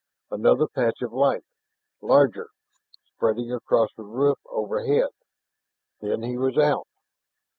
Another patch of light ... larger ... spreading across the roof over head. Then, he was out!